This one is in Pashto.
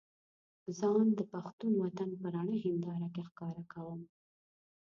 ځان د پښتون وطن په رڼه هينداره کې ښکاره کوم.